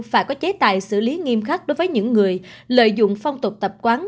phải có chế tài xử lý nghiêm khắc đối với những người lợi dụng phong tục tập quán